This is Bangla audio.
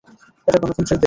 এটা গণতন্ত্রের দেয়াল।